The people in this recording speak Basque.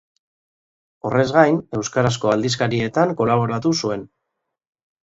Horrez gain, euskarazko aldizkarietan kolaboratu zuen.